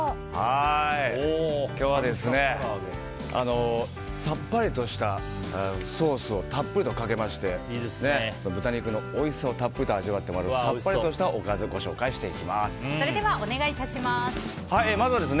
今日は、さっぱりとしたソースをたっぷりとかけまして豚肉のおいしさをたっぷり味わってもらうさっぱりしたおかずをそれではお願いします。